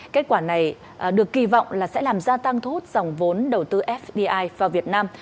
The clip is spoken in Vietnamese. kết quả này được kỳ vọng là sẽ làm gia tăng thu hút dòng vốn đầu tư fdi vào việt nam